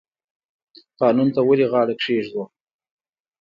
قانون ته ولې غاړه کیږدو؟